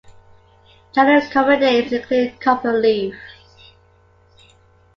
General common names include copperleaf.